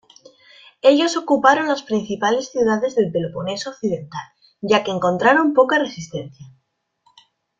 Ellos ocuparon las principales ciudades del Peloponeso occidental ya que encontraron poca resistencia.